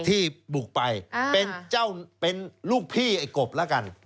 ที่บุกไปเป็นลูกพี่ไอ้กรบแล้วกัน